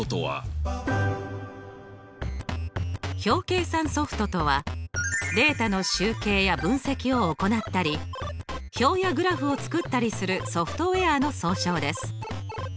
表計算ソフトとはデータの集計や分析を行ったり表やグラフを作ったりするソフトウエアの総称です。